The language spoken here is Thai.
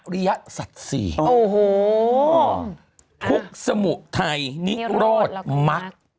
อริยสัตสีทุกสมุทัยนิโรธมัก